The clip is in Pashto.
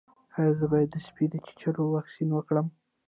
ایا زه باید د سپي د چیچلو واکسین وکړم؟